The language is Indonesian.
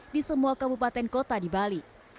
di semua kabupaten kota di bali